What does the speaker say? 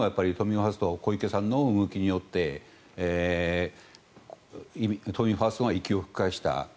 ファースト小池さんの動きによって都民ファーストが息を吹き返した。